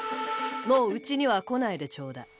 もううちには来ないでちょうだい。